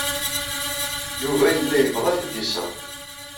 Yuba yella yebɣa ad t-id-iseɣ.